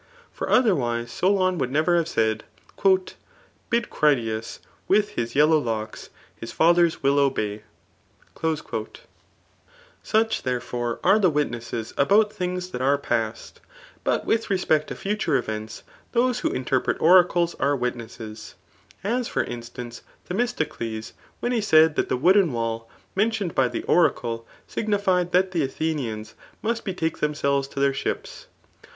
For otherwise Solon would never have said. Bid Critias with his jeUow led%t His father's will obey. 90 THB ART 09 BOOK U Sachy thefefore, are the ifritnesiet about thiags thai um pMu But with respect to future events those who inter* pret oracles are witnesses; as for instance, Themistode^ irfien he said that the wooden wall [mentioned by the oracle] signified that the Athenians must betake theoi* edves to th^ ships.